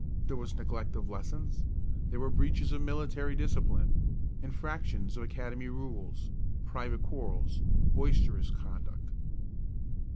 There was neglect of lessons; there were breaches of military discipline, infractions of academy rules, private quarrels, boisterous conduct.